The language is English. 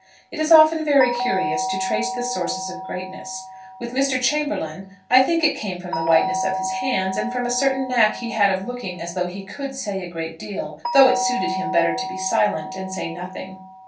It is often very curious to trace the sources of greatness. With Mr. Chamberlaine, I think it came from the whiteness of his hands, and from a certain knack he had of looking as though he could say a great deal, though it suited him better to be silent, and say nothing.